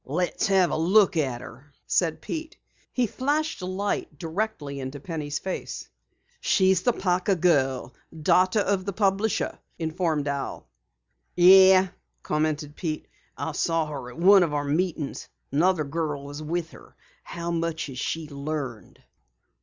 "Let's have a look at her," said Pete. He flashed a light directly into Penny's face. "She's the Parker girl daughter of the publisher," informed Al. "Yeah," commented Pete. "I saw her at one of our meetings. Another girl was with her. How much has she learned?"